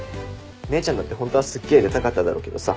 姉ちゃんだってホントはすっげえ出たかっただろうけどさ。